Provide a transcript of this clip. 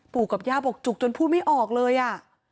กับย่าบอกจุกจนพูดไม่ออกเลยอ่ะ